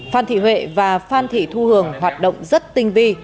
phan thị huệ và phan thị thu hường hoạt động rất tinh vi